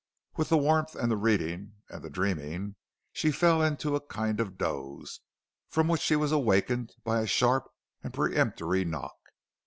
What with the warmth, and the reading, and the dreaming, she fell into a kind of doze, from which she was awakened by a sharp and peremptory knock.